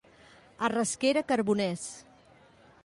A Rasquera, carboners.